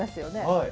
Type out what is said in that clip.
はい。